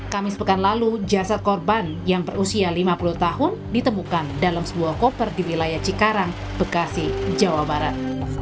kamis pekan lalu jasad korban yang berusia lima puluh tahun ditemukan dalam sebuah koper di wilayah cikarang bekasi jawa barat